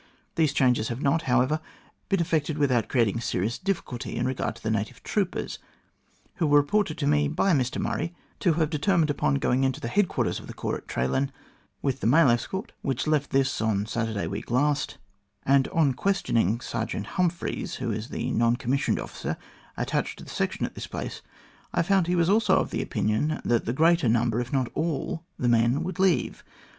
These changes have not, however, been effected without creating serious difficulty in regard to the native troopers, who were reported to me by Mr Murray to have determined upon going into the headquarters of the corps at Traylan with the mail escort, which left this on Saturday week last, and on questioning Sergeant Humphreys, who is the non commissioned officer attached to the section at this place, I found he was also of opinion that the greater number, if not all the men would leave.